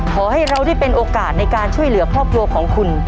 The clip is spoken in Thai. ขอให้เราได้เป็นโอกาสในการช่วยเหลือครอบครัวของคุณ